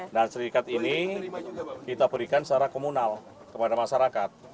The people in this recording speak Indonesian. dan sertifikat ini kita berikan secara komunal kepada masyarakat